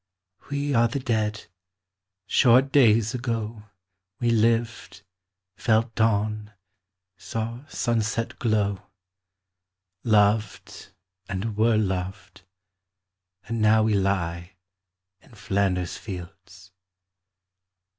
We are the Dead. Short days ago We lived, felt dawn, saw sunset glow, Loved, and were loved, and now we lie In Flanders fields.